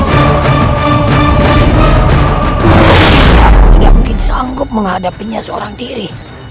tidak mungkin sanggup menghadapinya seorang diri